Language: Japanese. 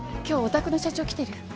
今日お宅の社長来てる？